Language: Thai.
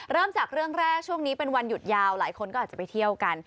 เริ่มจากเรื่องแรกช่วงนี้เป็นวันหยุดยาวหลายคนก็อาจจะไปเที่ยวกัน